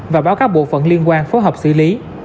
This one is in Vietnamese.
và báo các bộ phận liên quan phối hợp xử lý